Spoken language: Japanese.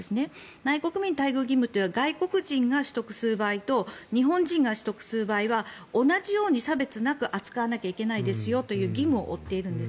内国民待遇義務は外国人が取得する場合と日本人が取得する場合は同じように差別なく扱わなくてはいけないという義務を負っているんです。